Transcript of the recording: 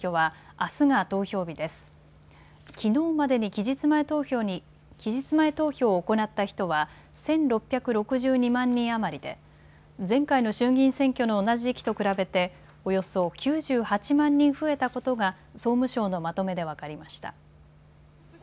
きのうまでに期日前投票を行った人は１６６２万人余りで前回の衆議院選挙の同じ時期と比べておよそ９８万人増えたことが総務省のまとめで分かりました。